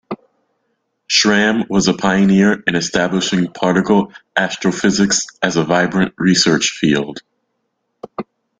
Schramm was a pioneer in establishing particle astrophysics as a vibrant research field.